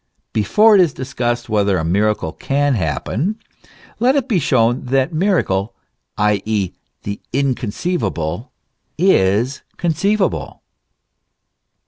Before it is discussed whether a miracle can happen, let it be shown that miracle, i.e., the inconceivable, is conceivable.